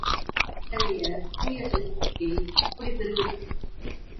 அத்தகைய தூய செங்குருதியை எப்படி பெறுவது?